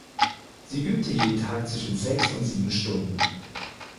Sie übte jeden Tag zwischen sechs und sieben Stunden.